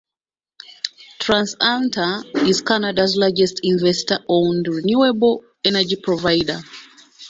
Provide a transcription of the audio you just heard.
TransAlta is Canada's largest investor-owned renewable energy provider.